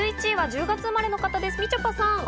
１１位は１０月生まれの方です、みちょぱさん。